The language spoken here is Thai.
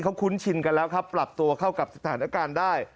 เขาคุ้นชินกันแล้วครับปรับตัวเข้ากับสถานการณ์ได้